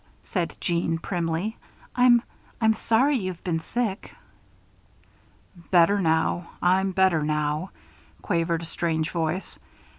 said Jeanne, primly. "I'm I'm sorry you've been sick." "Better now I'm better now," quavered a strange voice.